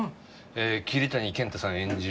桐谷健太さん演じる